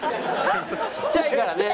ちっちゃいからね。